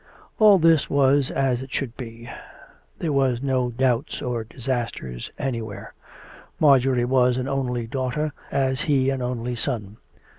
All this was as it should be. There were no doubts or disasters anywhere. Marjorie was an only daughter as he COME RACK! COME ROPE! 5 an only son.